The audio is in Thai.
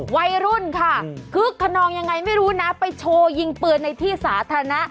วัยรุ่นค่ะคึกขนองยังไงไม่รู้นะไปโชว์ยิงปืนในที่สาธารณะ